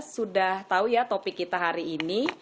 sudah tahu ya topik kita hari ini